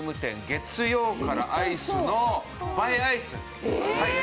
月曜からアイスの映えアイス。